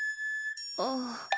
ああ。